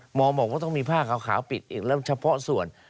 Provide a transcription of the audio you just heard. หมอบอกว่าต้องมีผ้าขาวปิดอีกแล้วเฉพาะส่วน